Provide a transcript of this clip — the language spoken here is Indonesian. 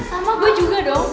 sama gue juga dong